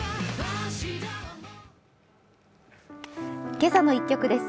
「けさの１曲」です。